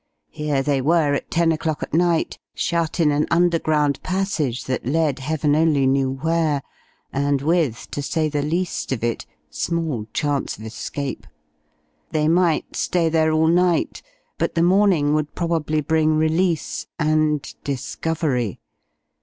Here they were, at ten o'clock at night, shut in an underground passage that led heaven only knew where, and with, to say the least of it, small chance of escape. They might stay there all night, but the morning would probably bring release and discovery.